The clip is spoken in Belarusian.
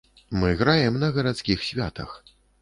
Мы граем на гарадскіх святах.